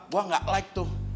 gue gak like tuh